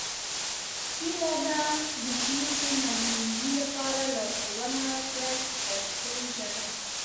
هیله ده د پېښې مخنیوي لپاره لارښوونه وکړئ په پښتو ژبه.